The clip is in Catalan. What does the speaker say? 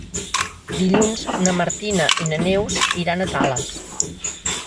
Dilluns na Martina i na Neus iran a Tales.